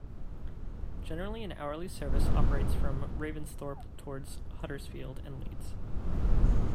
Generally an hourly service operates from Ravensthorpe towards Huddersfield and Leeds.